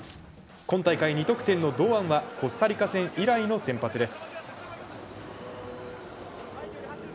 今大会２得点の堂安はコスタリカ戦以来の先発です。